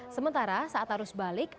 sementara saat harus balik